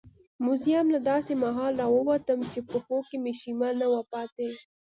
موزیم نه داسې مهال راووتم چې پښو کې شیمه نه وه پاتې.